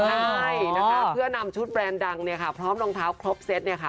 ใช่นะคะเพื่อนำชุดแบรนด์ดังเนี่ยค่ะพร้อมรองเท้าครบเซตเนี่ยค่ะ